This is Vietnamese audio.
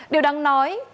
điều đáng nói